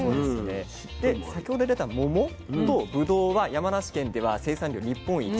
で先ほど出た桃とぶどうは山梨県では生産量日本一。